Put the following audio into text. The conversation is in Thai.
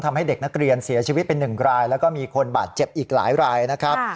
ทำให้เด็กนักเรียนเสียชีวิตเป็น๑รายแล้วก็มีคนบาดเจ็บอีกหลายรายนะครับ